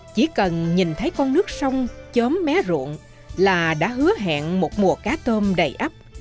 chỉ cần nhìn thấy con nước sông chớm mé ruộng là đã hứa hẹn một mùa cá tôm đầy ấp